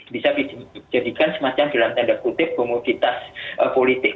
bisa dijadikan semacam dalam tanda kutip komoditas politik